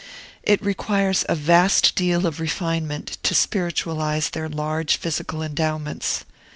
It requires a vast deal of refinement to spiritualize their large physical endowments.